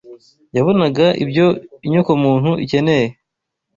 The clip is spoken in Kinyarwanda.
Yabonaga ibyo inyokomuntu ikeneye